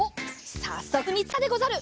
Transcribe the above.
さっそくみつけたでござる。